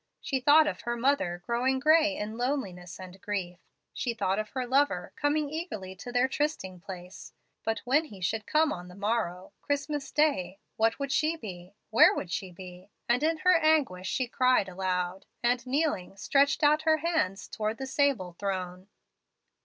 She thought of her mother growing gray in loneliness and grief. She thought of her lover coming eagerly to their trysting place; but when he should come on the morrow, Christmas day, what would she be? where would she be? and in her anguish she cried aloud, and, kneeling, stretched out her hands towards the sable throne.